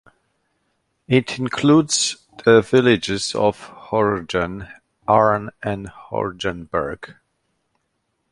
It includes the villages of Horgen, Arn and Horgenberg.